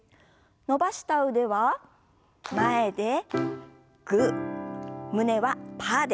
伸ばした腕は前でグー胸はパーです。